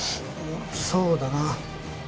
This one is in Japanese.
そうだな。